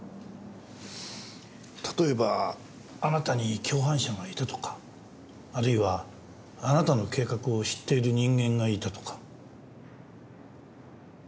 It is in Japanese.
例えばあなたに共犯者がいたとかあるいはあなたの計画を知っている人間がいたとか。